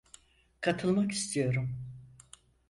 Katılmak istiyorum.